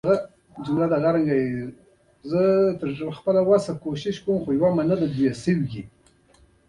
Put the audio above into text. کور ته چې راستون شوم ډېر ناوخته و چې ډېر ستړی وم.